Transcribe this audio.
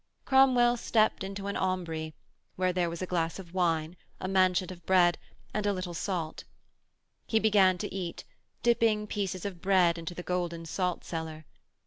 Cromwell stepped to an aumbry, where there were a glass of wine, a manchet of bread, and a little salt. He began to eat, dipping pieces of bread into the golden salt cellar.